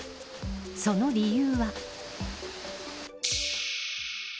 その理由は。